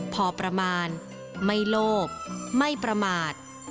พอประมาณไม่โลภไม่ประมาท